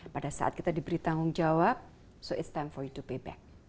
pada saat kita diberi tanggung jawab so it's time for you to pay back